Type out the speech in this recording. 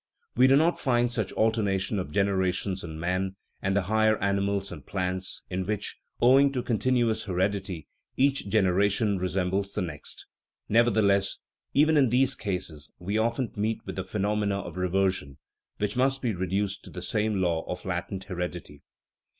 We do not find such alternation of generations in man and the higher animals and plants, in which, owing to continu ous heredity, each generation resembles the next ; nev ertheless, even in these cases we often meet with phe nomena of reversion, which must be reduced to the same law of latent heredity.